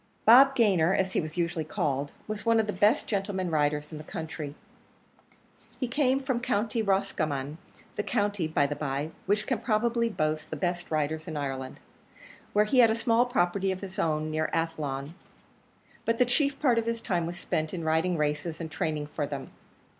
Bob Gayner, as he was usually called, was one of the best gentlemen riders in the country. He came from County Roscommon, the county, by the by, which can probably boast the best riders in Ireland, where he had a small property of his own, near Athlone; but the chief part of his time was spent in riding races and training for them.